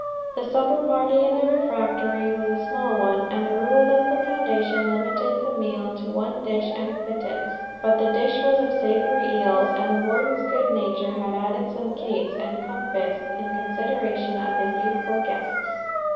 The supper party in the refectory was a small one, and the rule of the foundation limited the meal to one dish and a pittance, but the dish was of savoury eels, and the Warden's good nature had added to it some cates and comfits in consideration of his youthful guests.